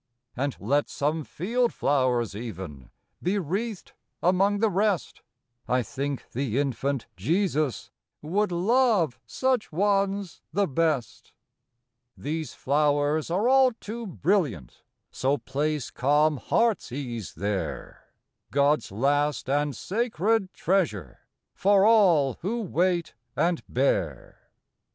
And let some field flowers even Be wreathed among the rest, I think the infant Jesus Would love such ones the best. 9 130 FROM QUEENS' GARDENS. These flowers are all too brilliant, So place calm heart's ease there, God's last and sacred treasure For all who wait and bear.